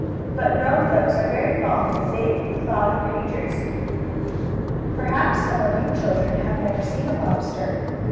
But grown folks are very fond of the big, clawy creatures. Perhaps some of you children have never seen a lobster.